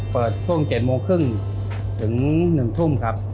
เปิดช่วง๗โมงครึ่งถึง๑ทุ่มครับ